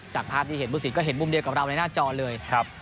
จากภาพที่เห็นผู้สินก็เห็นมุมเดียวกับเราในหน้าจอเลย